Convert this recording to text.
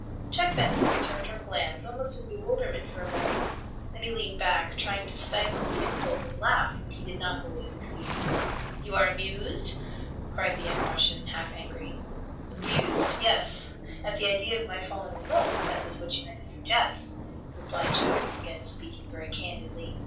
Jack Benson returned her glance, almost in, bewilderment for a moment. Then he leaned back, trying to stifle the impulse to laugh, but he did not wholly succeed. "You are amused?" cried the young Russian, half angry. "Amused yes, at the idea of my falling in love, if that was what you meant to suggest," replied Jack, again speaking very candidly.